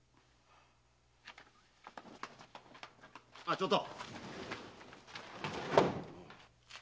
ちょっと！